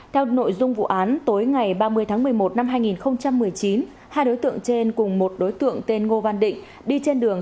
theo nội dung vụ án tối ngày ba mươi tháng một mươi một năm hai nghìn một mươi chín hai đối tượng trên cùng một đối tượng tên ngô văn định đi trên đường